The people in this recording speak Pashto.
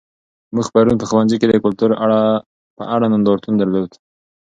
موږ پرون په ښوونځي کې د کلتور په اړه نندارتون درلود.